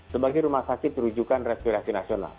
sebagai rumah sakit rujukan respirasi nasional